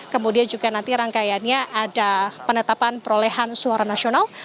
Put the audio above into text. kemudian juga nanti rangkaiannya ada penetapan perolehan suara nasional